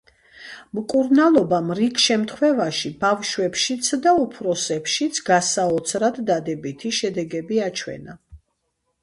მკურნალობამ რიგ შემთხვევაში, ბავშვებშიც და უფროსებშიც, გასაოცრად დადებითი შედეგები აჩვენა.